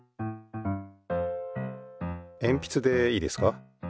えんぴつでいいですか。